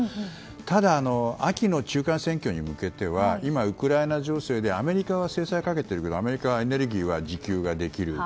ただ、秋の中間選挙に向けては今ウクライナ情勢でアメリカは制裁をかけてるけどアメリカはエネルギーは自給ができる。